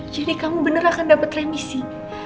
jadi kamu bener akan dapet remisi